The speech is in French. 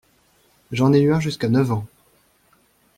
J'en ai eu un jusqu'à neuf ans.